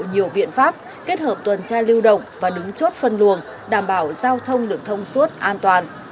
nhiều viện pháp kết hợp tuần tra lưu động và đứng chốt phân luồng đảm bảo giao thông lực thông suốt an toàn